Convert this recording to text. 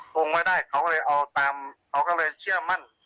คงไม่ได้เขาก็เลยเอาตามเขาก็เลยเชื่อมั่น